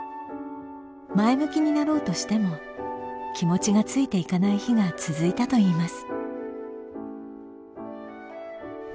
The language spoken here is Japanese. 前向きになろうとしても気持ちがついていかない日が続いたといいます。